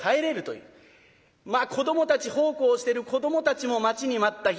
まあ子どもたち奉公してる子どもたちも待ちに待った日。